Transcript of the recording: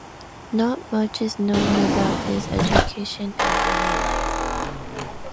Not much is known about his education and early life.